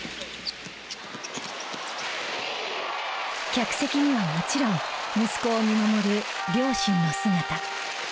客席にはもちろん息子を見守る両親の姿。